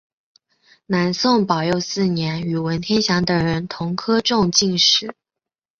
南宋宝佑四年与文天祥等人同科中进士。